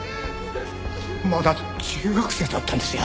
まだ中学生だったんですよ。